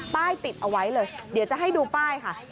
ติดเอาไว้เลยเดี๋ยวจะให้ดูป้ายค่ะ